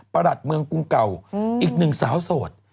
ประหลัดเมืองกรุงเก่าอีกหนึ่งสาวโสด